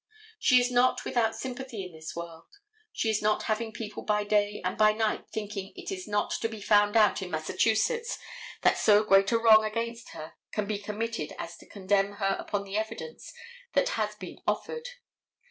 She is not without sympathy in this world. She is not having people by day and by night thinking it is not to be found out in Massachusetts that so great a wrong against her can be committed as to condemn her upon the evidence that has been offered.